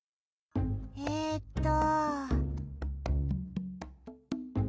えっと。